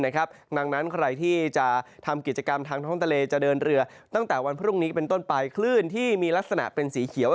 ดังนั้นใครที่จะทำกิจกรรมทางท้องทะเลจะเดินเรือตั้งแต่วันพรุ่งนี้เป็นต้นไปคลื่นที่มีลักษณะเป็นสีเขียว